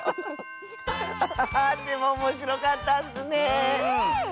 ハハハーでもおもしろかったッスね！